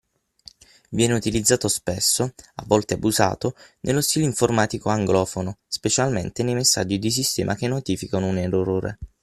Viene utilizzato spesso (a volte abusato) nello stile informatico anglofono, specialmente nei messaggi di sistema che notificano un errore.